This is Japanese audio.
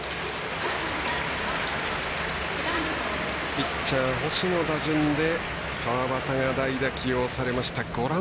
ピッチャー、星の打順で川端が代打起用されました。